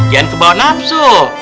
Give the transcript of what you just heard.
jangan kebawa nafsu